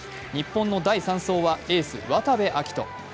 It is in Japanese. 日本の第３走はエース・渡部暁斗。